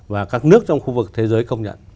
và các nước trong khu vực thế giới công nhận